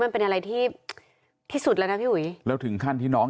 มันเป็นอะไรที่ที่สุดแล้วนะพี่หุยแล้วถึงขั้นที่น้อง